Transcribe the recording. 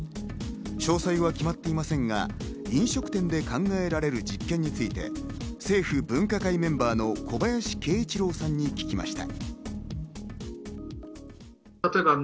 詳細は決まっていませんが、飲食店で考えられる実験について、政府分科会メンバーの小林慶一郎さんに聞きました。